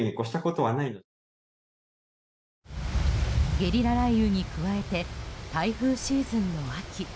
ゲリラ雷雨に加えて台風シーズンの秋。